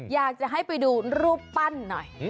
อยากจะให้ไปดูรูปปั้นหน่อย